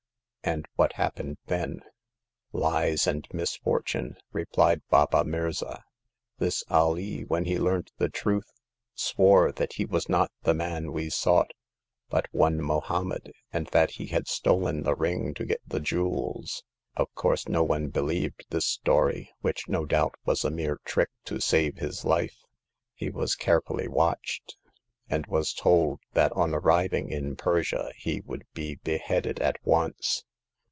And what happened then ?"Lies and misfortune," replied Baba Mirza. '*This Alee, when he learnt the truth, swore that he was not the man we sought, but one Mohom med, and that he had stolen the ring to get the jewels. Of course, no one believed this story, which, without doubt, was a mere trick to save his life. He was carefully watched, and was told that on arriving in Persia he would be be headed at once.